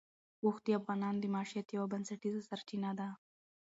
اوښ د افغانانو د معیشت یوه بنسټیزه سرچینه ده.